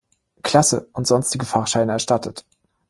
Klasse und sonstige Fahrscheine erstattet.